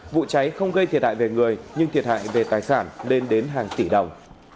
vụ cháy không gây thiệt hại về người nhưng thiệt hại về tài sản lên đến hàng tỷ đồng